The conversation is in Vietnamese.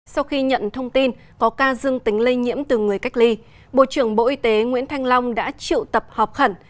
sau khi nhận thông tin có ca dương tính lây nhiễm từ người cách ly bộ trưởng bộ y tế nguyễn thanh long đã triệu tập họp khẩn